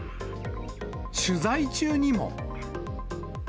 取材中にも。